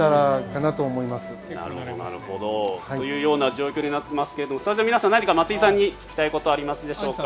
なるほど。というような状況になりますがスタジオの皆さん何か松井さんに聞きたいことありますでしょうか。